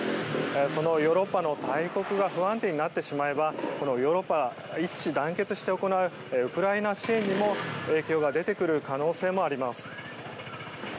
そのヨーロッパの大国が不安定になってしまえばヨーロッパが一致団結して行うウクライナ支援にも、影響が出てくる可能性もあります。